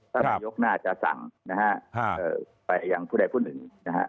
ท่านนายกน่าจะสั่งนะฮะไปยังผู้ใดผู้หนึ่งนะฮะ